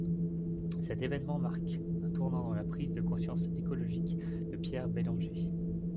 Cet événement marque un tournant dans la prise de conscience écologique de Pierre Bellanger.